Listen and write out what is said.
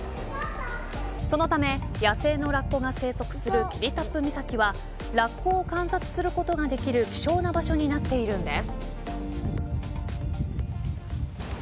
そのため、野生のラッコが生息する霧多布岬はラッコを観察することができる希少な場所になっているんです。